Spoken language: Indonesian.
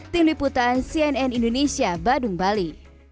tim liputan cnn indonesia badung bali